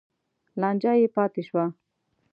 لانجه یې پاتې شوه.